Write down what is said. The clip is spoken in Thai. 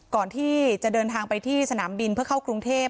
ก่อนที่จะเดินทางไปที่สนามบินเพื่อเข้ากรุงเทพ